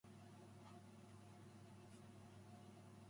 The name is also said to be a transfer from Annapolis, Maryland.